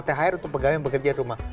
thr untuk pegawai yang bekerja di rumah